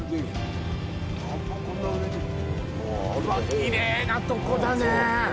きれいなとこだね